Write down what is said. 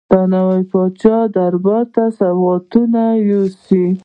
د نوي پاچا دربار ته سوغاتونه یوسي.